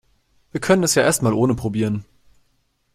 Wir können es ja erst mal ohne probieren.